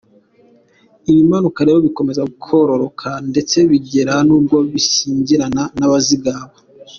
Ibimanuka rero bikomeza kwororoka, ndetse bigera nubwo bishyingirana n’Abazigaba.